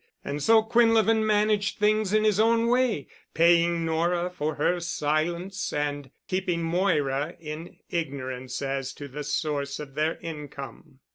And so Quinlevin managed things in his own way, paying Nora for her silence and keeping Moira in ignorance as to the source of their income.